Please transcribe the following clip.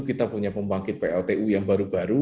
kita punya pembangkit pltu yang baru baru